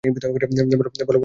বল বল, চুপ করে আছ কেন?